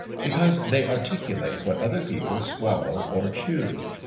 Because they articulate what other people swallow or chew.